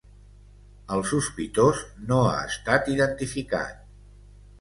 El sospitós no ha estat identificat.